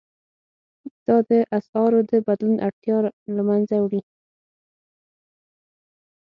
دا د اسعارو د بدلولو اړتیا له مینځه وړي.